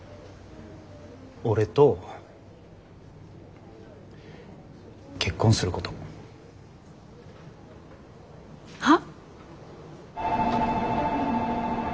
俺と結婚すること。は？